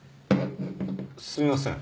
すいません。